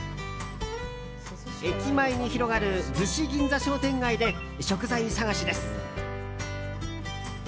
駅前に広がる逗子銀座商店街で食材探しです。